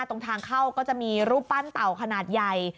ตรงทางเข้าก็จะมีรูปปั้นเต่าขนาดใหญ่